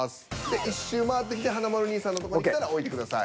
１周回ってきて華丸兄さんのとこに来たら置いてください。